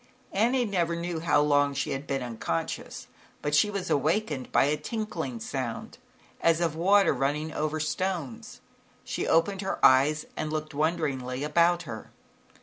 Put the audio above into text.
Annie never knew how long she had been unconscious, but she was awakened by a tinkling sound, as of water running over stones. She opened her eyes and looked wonderingly about her.